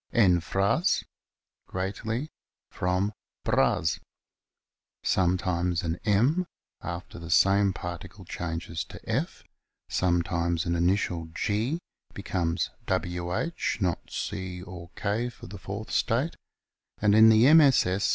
en fras, greatly, from bras, sometimes an M after the same particle changes to F t sometimes an initial G becomes Wh, not C or K, for the fourth state, and in the MSS.